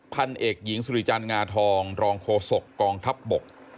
พันเอกหญิงสุริจันทร์งาทองรองโฆษกองทัพบก